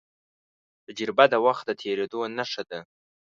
تجربه د وخت د تېرېدو نښه ده.